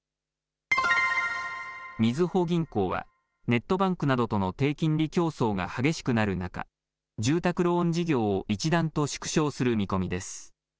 みずほ銀行はネットバンクなどとの低金利競争が激しくなる中、住宅ローン事業を一段と縮小する見込みです。